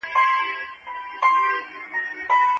د سبا ورځ په موږ کي چا لیدلې ده؟